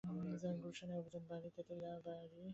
গুলশানের অভিজাত এলাকায় তেতিলা বাড়ি।